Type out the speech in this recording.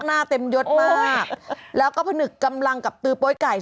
หน้าเต็มยดมากแล้วก็ผนึกกำลังกับตือโป๊ยไก่